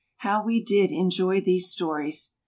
How we did enjoy these stories.